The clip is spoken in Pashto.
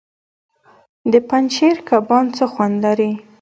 د پنجشیر کبان څه خوند لري؟